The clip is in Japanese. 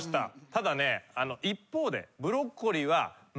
ただね一方で。